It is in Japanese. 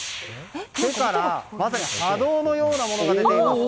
手から、まさに波動のようなものが出ています。